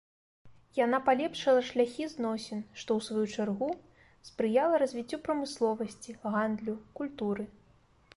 Яна палепшыла шляхі зносін, што, у сваю чаргу, спрыяла развіццю прамысловасці, гандлю, культуры.